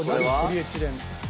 ポリエチレン？